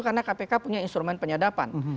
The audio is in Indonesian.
karena kpk punya instrumen penyadapan